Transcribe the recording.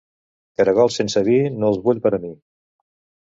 Caragols sense vi, no els vull per a mi.